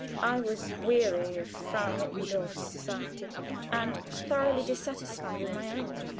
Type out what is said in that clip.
I was weary of Frau Mittendorf's society, and thoroughly dissatisfied with my own.